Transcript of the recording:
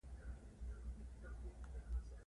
سترگې يې داسې وځلېدې.